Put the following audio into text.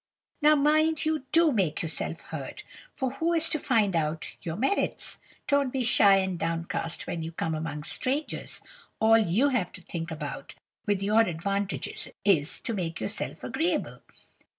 Now mind you do make yourself heard, or who is to find out your merits? Don't be shy and downcast when you come among strangers. All you have to think about, with your advantages, is to make yourself agreeable.